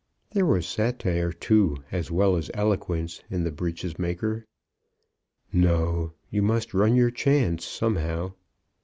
There was satire too as well as eloquence in the breeches maker. "No; you must run your chance, somehow."